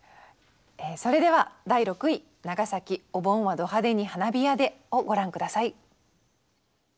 それでは第６位「長崎お盆はド派手に花火屋で」をご覧下さい。